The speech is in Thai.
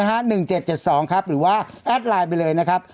หรือว่าแอดไลน์ไปเลยนะครับ